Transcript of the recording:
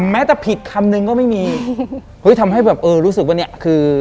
แม้แต่ผิดคำนึงก็ไม่มีเฮ้ยทำให้แบบเออรู้สึกว่าเนี่ยคือ